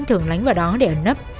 thường lánh vào đó để ẩn nấp